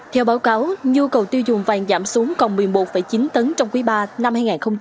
theo báo cáo nhu cầu tiêu dùng vàng giảm xuống còn một mươi một chín tấn trong quý ba năm hai nghìn hai mươi